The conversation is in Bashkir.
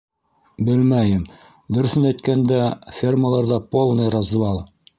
Белмәйем, дөрөҫөн әйткәндә, фермаларҙа полный развал!